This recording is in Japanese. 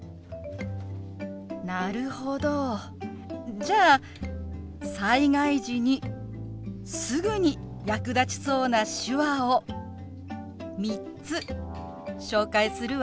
なるほどじゃあ災害時にすぐに役立ちそうな手話を３つ紹介するわね。